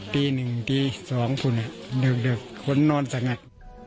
ตีหนึ่งตีสองคนนอนสงัด